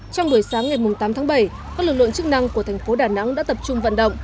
trong buổi sáng ngày tám tháng bảy các lực lượng chức năng của thành phố đà nẵng đã tập trung vận động